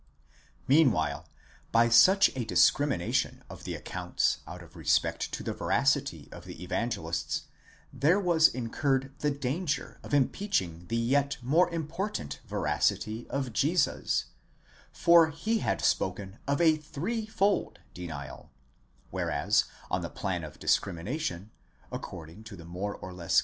Meanwhile by such a discrimination of the accounts out of respect to the: veracity of the Evangelists, there was incurred the danger of impeaching the yet more important veracity of Jesus; for he had spoken of a threefold denial; whereas, on the plan of discrimination, according to the more or less.